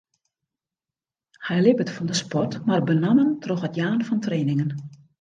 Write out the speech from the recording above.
Hy libbet fan de sport, mar benammen troch it jaan fan trainingen.